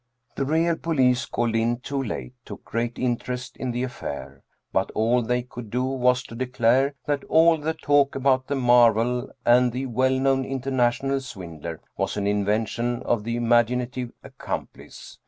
The real police, called in too late, took great interest in the affair. But all they could do was to declare that all the talk about the " marvel " and the " well known interna tional swindler " was an invention of the imaginative ac complice.